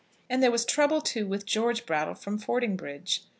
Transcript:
And there was trouble, too, with George Brattle from Fordingbridge.